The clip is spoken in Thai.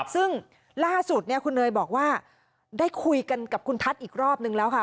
ซึ่งล่าสุดคุณเนยบอกว่าได้คุยกันกับคุณทัศน์อีกรอบนึงแล้วค่ะ